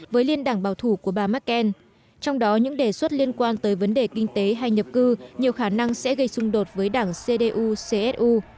với liên đảng bảo thủ của bà merkel trong đó những đề xuất liên quan tới vấn đề kinh tế hay nhập cư nhiều khả năng sẽ gây xung đột với đảng cdu csu